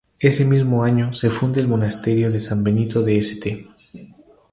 Ese mismo año, se funda el monasterio de San Benito de St.